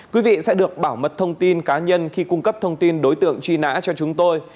quý vị sẽ được bảo mật thông tin cá nhân khi cung cấp thông tin đối tượng truy nã cho chúng tôi